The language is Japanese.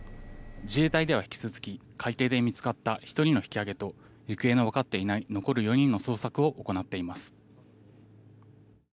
自衛隊では引き続き海底で見つかった１人の引き揚げと行方がわかっていない残る４人の捜索を行っています。